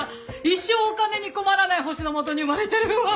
一生お金に困らない星の下に生まれてるわ。